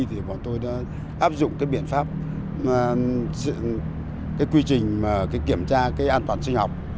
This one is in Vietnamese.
thì bọn tôi đã áp dụng cái biện pháp cái quy trình kiểm tra cái an toàn sinh học